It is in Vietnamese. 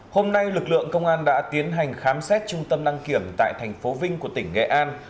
hôm nay lực lượng công an đã tiến hành khám xét trung tâm năng kiểm tại tp vinh của tỉnh nghệ an